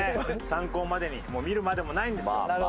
参考までにもう見るまでもないんですよ。